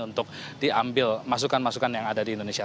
untuk diambil masukan masukan yang ada di indonesia